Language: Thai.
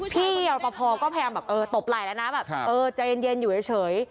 พี่รอปภก็พยายามแบบเออตบไหล่แล้วนะแบบเออใจเย็นอยู่เฉย